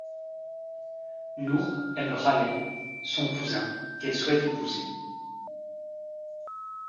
Nour aime Khaled, son cousin, qu'elle souhaite épouser.